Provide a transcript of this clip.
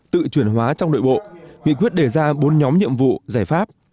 tự chuyển hóa trong nội bộ nghị quyết đề ra bốn nhóm nhiệm vụ giải pháp